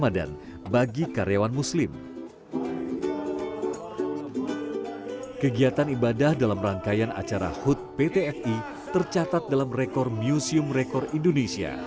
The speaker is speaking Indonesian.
dalam rangkaian acara hood pt f i tercatat dalam rekor museum rekor indonesia